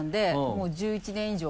もう１１年以上。